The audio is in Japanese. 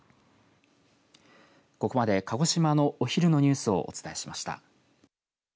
ここまで鹿児島のお昼のニュースをお伝えしました。